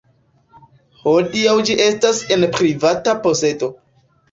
Hodiaŭ ĝi estas en privata posedo.